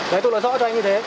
đấy tôi nói rõ cho anh như thế